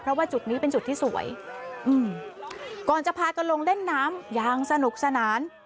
เพราะว่าจุดนี้เป็นจุดที่สวยอืมก่อนจะพากันลงเล่นน้ำอย่างสนุกสนาน